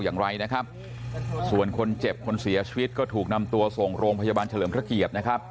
จ้าคนเจ็บคนเสียชีวิตก็ถูกนำตัวส่งโรงพัชบาลเฉลิมพระเกียปครับ